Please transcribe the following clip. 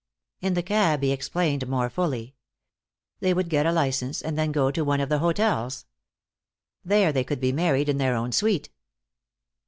In the cab he explained more fully. They would get a license, and then go to one of the hotels. There they could be married, in their own suite.